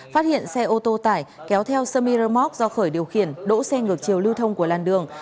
phát hiện xe ô tô tải kéo theo sermiramoc do khởi điều khiển đỗ xe ngược chiều lưu thông của làn đường